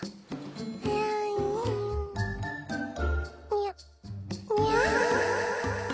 にゃにゃ。